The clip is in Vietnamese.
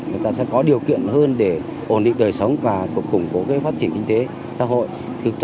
người ta sẽ có điều kiện hơn để ổn định đời sống và củng cố phát triển kinh tế xã hội